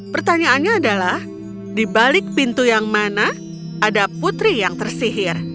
pertanyaannya adalah di balik pintu yang mana ada putri yang tersihir